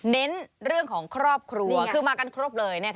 เน้นเรื่องของครอบครัวคือมากันครบเลย